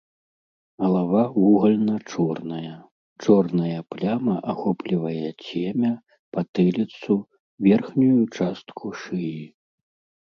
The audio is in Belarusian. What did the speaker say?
Галава вугальна-чорная, чорная пляма ахоплівае цемя, патыліцу, верхнюю частку шыі.